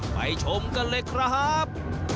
ชมกันเลยครับ